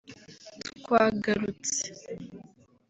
twagarutse